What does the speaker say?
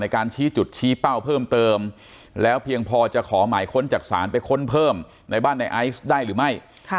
การชี้จุดชี้เป้าเพิ่มเติมแล้วเพียงพอจะขอหมายค้นจากศาลไปค้นเพิ่มในบ้านในไอซ์ได้หรือไม่